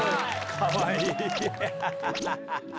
かわいい！